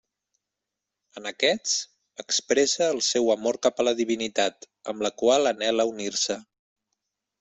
En aquests, expressa el seu amor cap a la divinitat, amb la qual anhela unir-se.